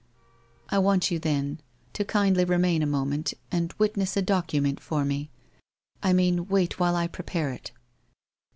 ... I want you, then, to kindly remain a moment and witness a document for me. I mean wait while I prepare it.'